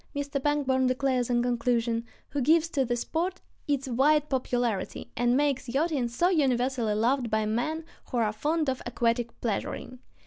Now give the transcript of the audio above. ] It is the small yachter [Mr. Pangborn declares in conclusion] who gives to the sport its wide popularity, and makes yachting so universally loved by men who are fond of aquatic pleasuring.